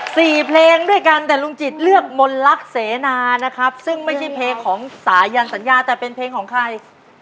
เพลงด้วยกันแต่ลุงจิตเลือกมนลักษณ์เสนานะครับซึ่งไม่ใช่เพลงของสายันสัญญาแต่เป็นเพลงของใคร